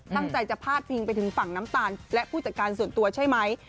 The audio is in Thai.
ตั้งใจจะพาดพิงไปถึงฝั่งน้ำตาลและผู้จัดการส่วนตัวใช่ไหม